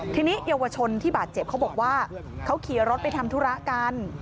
ทีนี้เยาวชนที่บาดเจ็บเขาบอกว่าเขาขี่รถไปทำธุระกัน